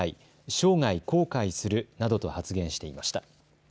生涯、後悔するなどと発言していました。